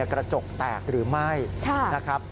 กระจกแตกหรือไม่นะครับ